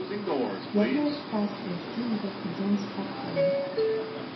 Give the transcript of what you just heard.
Якое шчасце яшчэ некалькі дзён спакою!